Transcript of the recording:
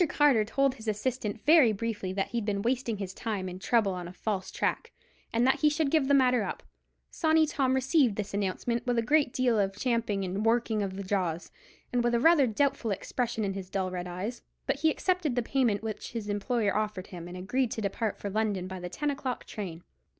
Carter told his assistant very briefly that he'd been wasting his time and trouble on a false track, and that he should give the matter up. Sawney Tom received this announcement with a great deal of champing and working of the jaws, and with rather a doubtful expression in his dull red eyes; but he accepted the payment which his employer offered him, and agreed to depart for London by the ten o'clock train.